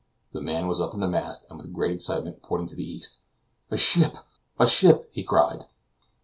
The man was up in the mast, and with great excitement pointing to the east. "A ship! A ship!" he cried.